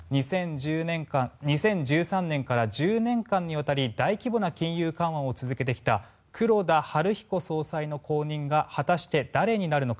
２０１３年から１０年かにわたり大規模な金融緩和を続けてきた黒田東彦総裁の後任が果たして誰になるのか。